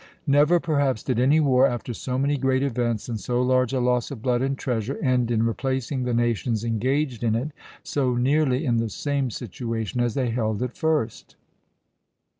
"Never, perhaps, did any war, after so many great events, and so large a loss of blood and treasure, end in replacing the nations engaged in it so nearly in the same situation as they held at first."